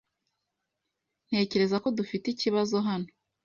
Ntekereza ko dufite ikibazo hano.